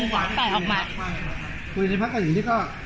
หลังจากที่โดนไปออกมา